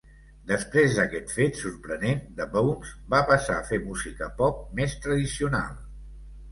Després d'aquest fet sorprenent, The Bounce va passar a fer música pop més tradicional.